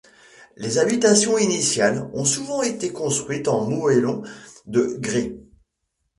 Les habitations initiales ont souvent été construites en moellons de grès.